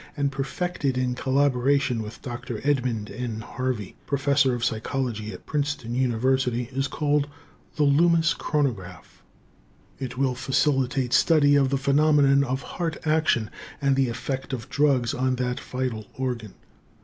and perfected in collaboration with Dr. Edmund N. Harvey, professor of psychology at Princeton University, is called the Loomis chronograph. It will facilitate study of the phenomena of heart action and the effect of drugs on that vital organ.